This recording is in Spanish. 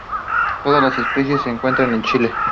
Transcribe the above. Todas las especies se encuentran en Chile.